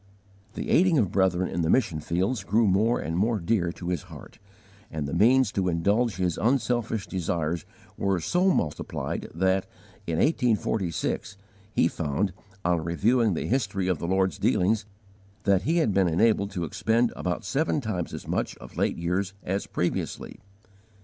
The aiding of brethren in the mission fields grew more and more dear to his heart, and the means to indulge his unselfish desires were so multiplied that, in 1846, he found, on reviewing the history of the Lord's dealings, that he had been enabled to expend about seven times as much of late years as previously.